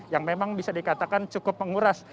yang memang bisa dikatakan cukup menguras